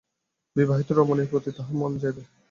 বিবাহিত রমণীর প্রতি তাহার মন যাইবে?